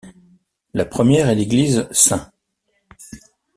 La première est l'église St.